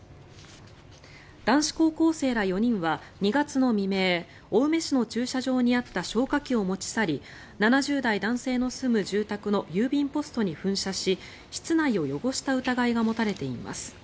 男子高校生ら４人は２月の未明青梅市の駐車場にあった消火器を持ち去り７０代男性の住む住宅の郵便ポストに噴射し室内を汚した疑いが持たれています。